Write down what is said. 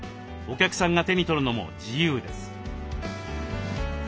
お客さんが手に取るのも自由です。